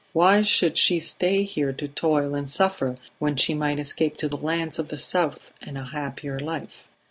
Why should she stay here to toil and suffer when she might escape to the lands of the south and a happier life.